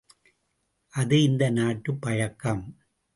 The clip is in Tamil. அது இந்த நாட்டுப் பழக்கம்.